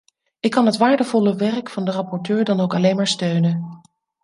Ik kan het waardevolle werk van de rapporteur dan ook alleen maar steunen.